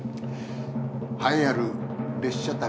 栄えある列車旅